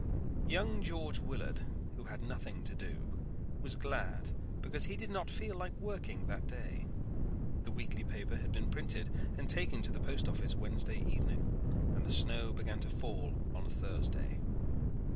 Young George Willard, who had nothing to do, was glad because he did not feel like working that day. The weekly paper had been printed and taken to the post office Wednesday evening and the snow began to fall on Thursday.